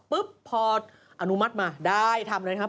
ปุ๊บพออนุมัติมาได้ทำเลยครับ